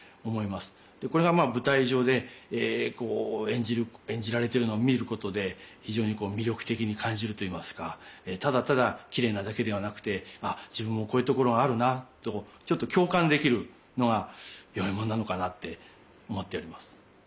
これがまあ舞台上でこう演じられてるのを見ることで非常に魅力的に感じるといいますかただただきれいなだけではなくて「あっ自分もこういうところがあるな」とちょっと共感できるのが与右衛門なのかなって思っております。